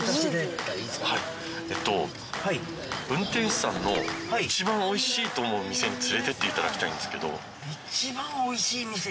運転手さんの一番美味しいと思う店に連れてっていただきたいんですけど。